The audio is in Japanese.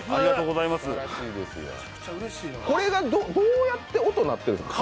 これがどうやって音鳴ってるんですか？